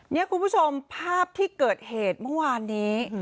นี่คุณผู้ชมภาพที่เกิดเหตุเมื่อวานนี้